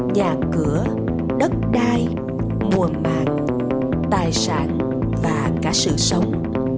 nhà cửa đất đai mùa màng tài sản và cả sự sống